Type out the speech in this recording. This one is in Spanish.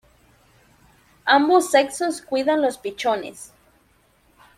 Ambos sexos cuidan los pichones.